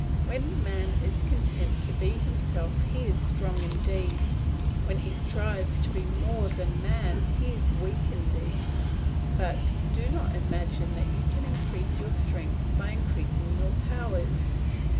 When man is content to be himself he is strong indeed; when he strives to be more than man he is weak indeed. But do not imagine that you can increase your strength by increasing your powers.